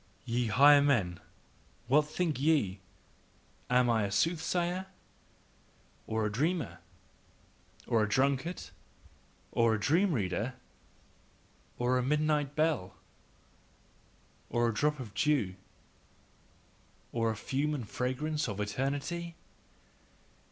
Ye higher men, what think ye? Am I a soothsayer? Or a dreamer? Or a drunkard? Or a dream reader? Or a midnight bell? Or a drop of dew? Or a fume and fragrance of eternity?